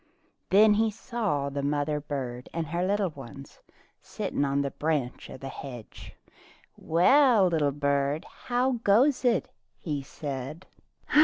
Then he saw the mother bird and her young ones sitting on a branch of the hedge. "Well, little bird, how goes it.^" he said.